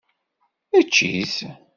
Ečč-it.